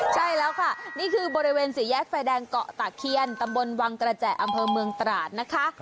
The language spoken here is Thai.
ใช่แล้วค่ะนี่คือบริเวณสี่แยกไฟแดงเกาะตะเคียนตำบลวังกระแจอำเภอเมืองตราดนะคะ